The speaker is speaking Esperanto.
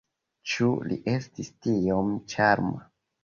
Ĉu li estis tiom ĉarma?